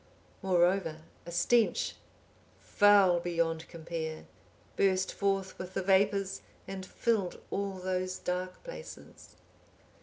Moreover, a stench, foul beyond compare, burst forth with the vapours, and filled all those dark places.